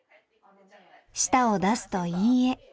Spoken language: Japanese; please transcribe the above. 舌を出すと「いいえ」。